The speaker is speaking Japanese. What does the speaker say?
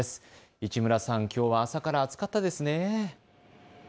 市村さん、きょうは朝から暑かったですね。